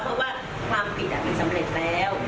เพราะว่าความผิดมันสำเร็จแล้ว